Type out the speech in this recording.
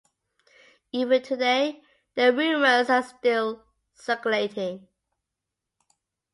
Even today, the rumors are still circulating.